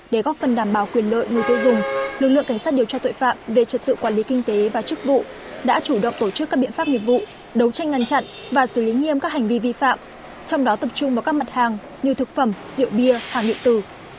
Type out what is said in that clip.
để góp phần đảm bảo quyền lợi người tiêu dùng lực lượng cảnh sát điều tra tội phạm về trật tự quản lý kinh tế và chức vụ đã chủ động tổ chức các biện pháp nghiệp vụ đấu tranh ngăn chặn và xử lý nghiêm các hành vi vi phạm trong đó tập trung vào các mặt hàng như thực phẩm rượu bia hàng hiệu tử